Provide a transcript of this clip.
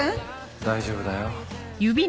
⁉大丈夫だよ。